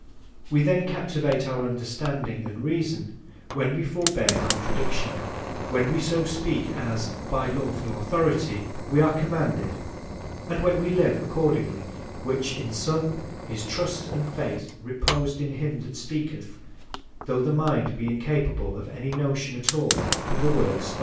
We then Captivate our Understanding and Reason, when we forbear contradiction; when we so speak, as (by lawfull Authority) we are commanded; and when we live accordingly; which in sum, is Trust, and Faith reposed in him that speaketh, though the mind be incapable of any Notion at all from the words spoken.